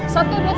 satu dua tiga